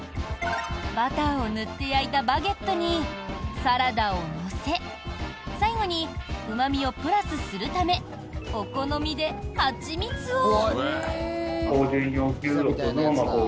バターを塗って焼いたバゲットにサラダを乗せ最後にうま味をプラスするためお好みで蜂蜜を。